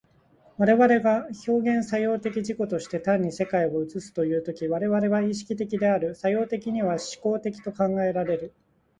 我々が表現作用的自己として単に世界を映すという時、我々は意識的である、作用的には志向的と考えられる。